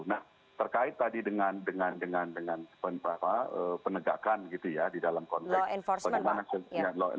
nah terkait tadi dengan penegakan gitu ya di dalam konteks bagaimana